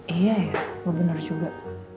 iya ya lu bener juga